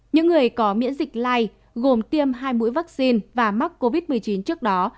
những người có miễn dịch lai gồm tiêm hai mũi vaccine và mắc covid một mươi chín trước đó